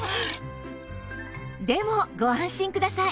でもご安心ください